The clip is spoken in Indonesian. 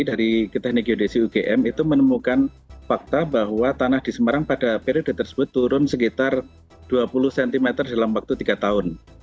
dari teknik geodesi ugm itu menemukan fakta bahwa tanah di semarang pada periode tersebut turun sekitar dua puluh cm dalam waktu tiga tahun